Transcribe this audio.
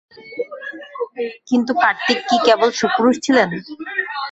কিন্তু কার্তিক কি কেবল সুপুরুষ ছিলেন?